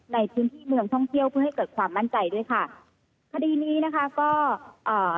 ในพื้นที่เมืองท่องเที่ยวเพื่อให้เกิดความมั่นใจด้วยค่ะคดีนี้นะคะก็อ่า